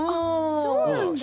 そうなんだ。